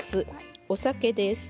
お酒です。